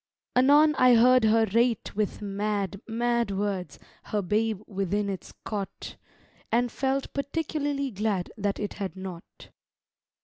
Anon I heard her rate with mad Mad words her babe within its cot; And felt particularly glad That it had not.